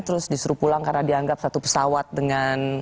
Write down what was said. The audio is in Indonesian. terus disuruh pulang karena dianggap satu pesawat dengan